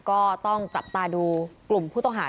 ก็ต้องจับตาดูกลุ่มผู้ต้องหา